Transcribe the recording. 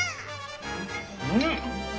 うん！